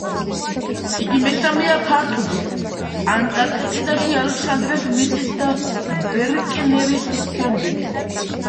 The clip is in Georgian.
იგი მესამეა ფართობით ანტარქტიდაში ალექსანდრეს მიწის და ბერკნერის შემდეგ.